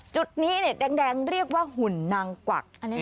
จุดนี้แดงเรียกว่าหุ่นนางกวัก